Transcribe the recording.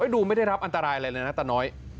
ดูไม่ได้รับอันตรายอะไรเลยนะตาน้อย